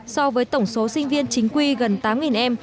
so với tổng số sinh viên chính quy gần tám em